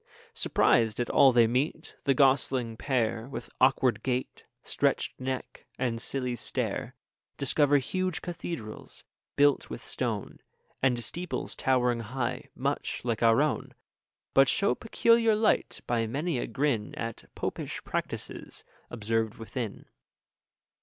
Surprised at all they meet, the gosling pair, With awkward gait, stretched neck, and silly stare, Discover huge cathedrals, built with stone, And steeples towering high, much like our own; 30 But show peculiar light by many a grin At popish practices observed within.